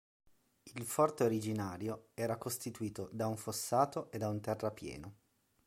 Il forte originario era costituito da un fossato e da un terrapieno.